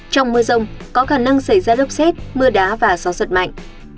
trong mưa rông có khả năng xảy ra lốc xét mưa đá và gió giật mạnh